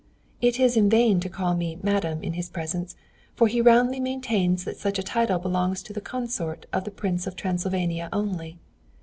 It is in vain to call me 'Madame' in his presence, for he roundly maintains that such a title belongs to the consort of the Prince of Transylvania only.